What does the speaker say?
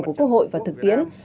của quốc hội và thực tiến